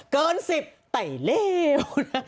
เกิน๑๐ไต่เลวนะ